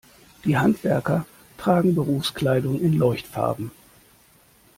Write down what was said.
Die Handwerker tragen Berufskleidung in Leuchtfarben.